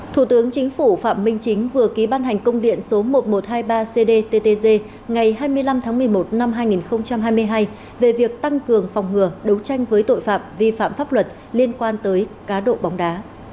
thủ tướng chính phủ phạm minh chính vừa ký ban hành công điện số một nghìn một trăm hai mươi ba cdttg ngày hai mươi năm tháng một mươi một năm hai nghìn hai mươi hai về việc tăng cường phòng ngừa đấu tranh với tội phạm vi phạm pháp luật liên quan tới cá độ bóng đá